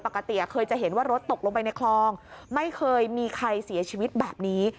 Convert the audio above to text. ปกติเคยจะเห็นว่ารถตกลงไปในคลองไม่เคยมีใครเสียชีวิตแบบนี้